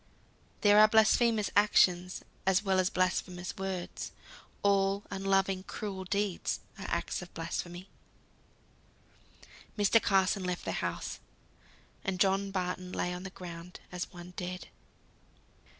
There are blasphemous actions as well as blasphemous words: all unloving, cruel deeds are acted blasphemy. Mr. Carson left the house. And John Barton lay on the ground as one dead.